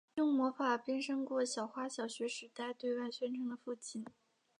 用魔法变身过小花小学时代对外宣称的父亲。